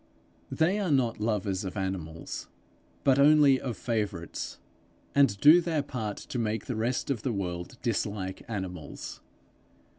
They are not lovers of animals, but only of favourites, and do their part to make the rest of the world dislike animals.